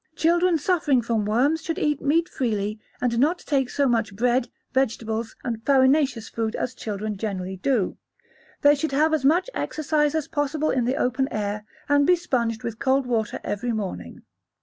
Children suffering from worms should eat meat freely and not take so much bread, vegetables, and farinaceous food as children generally do. They should have as much exercise as possible in the open air, and be sponged with cold water every morning.